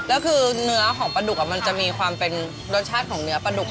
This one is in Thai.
แล้วคือเนื้อของปลาดุกมันจะมีความเป็นรสชาติของเนื้อปลาดุก